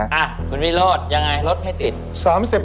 อ่ะคุณวิโรธยังไงรถไม่ติด